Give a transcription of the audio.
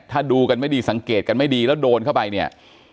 ถ้าดูกันไม่ดีสังเกตกันไม่ดีแล้วโดนเข้าไปเนี่ย